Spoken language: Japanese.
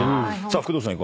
さあ工藤さん